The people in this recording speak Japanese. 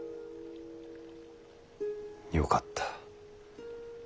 よかった。